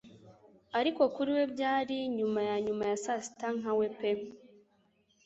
Ariko kuri we byari nyuma ya nyuma ya saa sita nka we pe